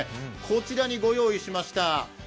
こちらにご用意しました。